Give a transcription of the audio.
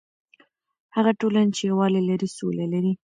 هغه ټولنه چې یووالی لري، سوله لري.